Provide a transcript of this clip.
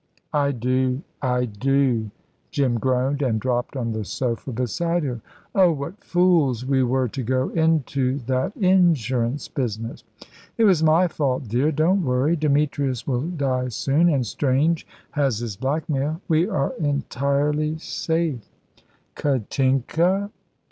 "I do I do." Jim groaned and dropped on the sofa beside her. "Oh, what fools we were to go into that insurance business!" "It was my fault, dear. Don't worry. Demetrius will die soon, and Strange has his blackmail. We are entirely safe." "Katinka?"